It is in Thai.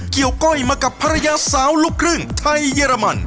ก้อยมากับภรรยาสาวลูกครึ่งไทยเยอรมัน